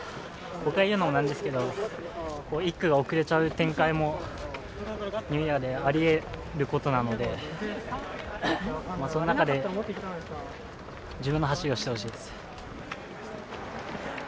僕が言うのも何ですけど、１区が遅れちゃう展開もニューイヤーであり得ることなので、その中で自分の走りをしてほしいです。